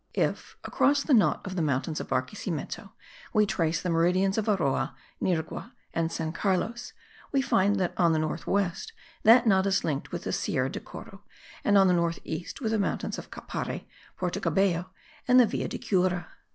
If, across the knot of the mountains of Barquisimeto, we trace the meridians of Aroa, Nirgua and San Carlos, we find that on the north west that knot is linked with the Sierra de Coro, and on the north east with the mountains of Capadare, Porto Cabello and the Villa de Cura.